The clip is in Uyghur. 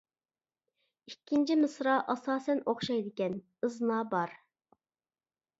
ئىككىنچى مىسرا ئاساسەن ئوخشايدىكەن، ئىزنا بار.